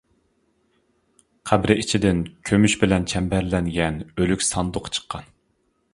قەبرە ئىچىدىن كۆمۈش بىلەن چەمبەرلەنگەن ئۆلۈك ساندۇقى چىققان.